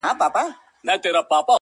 ملکې ته ډوډۍ راوړه نوکرانو!!